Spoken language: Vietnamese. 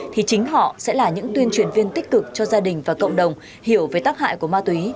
thì chính họ sẽ là những tuyên truyền viên tích cực cho gia đình và cộng đồng hiểu về tác hại của ma túy